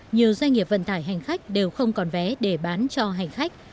nhiều doanh nghiệp vận tải hành khách đều không còn vé để bán cho hành khách